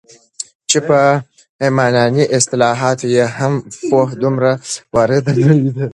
چې په عامیانه اصطلاحاتو یې هم پوهه دومره وارده نه ده